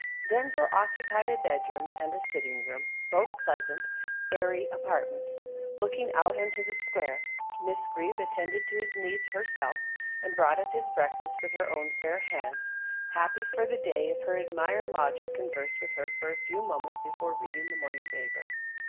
Denzil occupied a bedroom and sitting room, both pleasant, airy apartments, looking out on to the square. Miss Greeb attended to his needs herself, and brought up his breakfast with her own fair hands, happy for the day if her admired lodger conversed with her for a few moments before reading the morning paper.